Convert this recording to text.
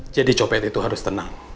jadi copet itu harus tenang